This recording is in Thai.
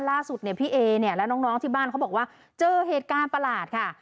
ล่าสุดเนี่ยพี่เอเนี่ยและน้องที่บ้านเขาบอกว่าเจอเหตุการณ์ประหลาดค่ะ